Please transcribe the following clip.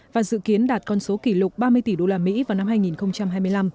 và dự kiến đạt con số kỷ lục ba mươi tỷ usd vào năm hai nghìn hai mươi năm